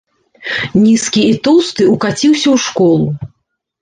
Нізкі і тоўсты ўкаціўся ў школу.